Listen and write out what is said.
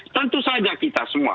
tentu saja kita semua